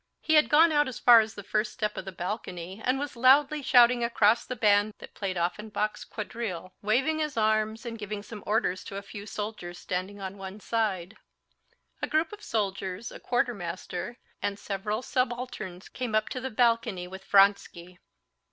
He had gone out as far as the first step of the balcony and was loudly shouting across the band that played Offenbach's quadrille, waving his arms and giving some orders to a few soldiers standing on one side. A group of soldiers, a quartermaster, and several subalterns came up to the balcony with Vronsky.